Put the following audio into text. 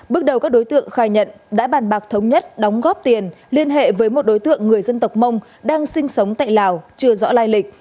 bước đầu các đối tượng khai nhận đã bàn bạc thống nhất đóng góp tiền liên hệ với một đối tượng người dân tộc mông đang sinh sống tại lào chưa rõ lai lịch